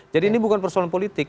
jadi ini bukan persoalan politik